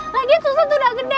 lagian susan tuh udah gede